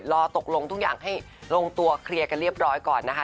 รอตกลงทุกอย่างให้ลงตัวเคลียร์กันเรียบร้อยก่อนนะคะ